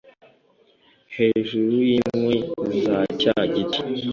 hejuru y'inkwi za cya giti